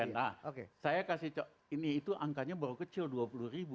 nah saya kasih cok ini itu angkanya baru kecil rp dua puluh